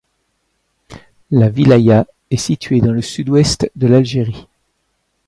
La wilaya est située dans le sud-ouest de l'Algérie.